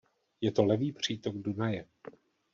Je to levý přítok Dunaje.